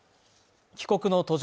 帰国の途上